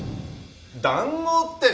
談合って。